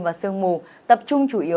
và sương mù tập trung chủ yếu